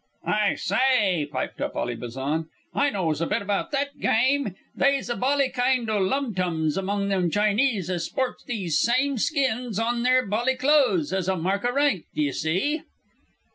"I s'y," piped up Ally Bazan, "I knows a bit about that gyme. They's a bally kind o' Lum tums among them Chinese as sports those syme skins on their bally clothes as a mark o' rank, d'ye see."